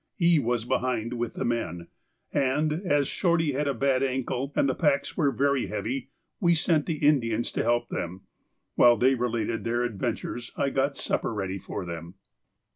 E. was behind with the men, and, as Shorty had a bad ankle and the packs were very heavy, we sent the Indians to help them. While they related their adventures I got supper ready for them.